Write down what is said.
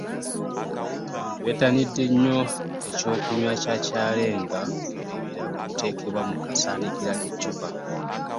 Abantu bettanidde nnyo ekyokunya kya kyalenga olw'ebirabo ebiteekebwa mu kasanikira ke cupa.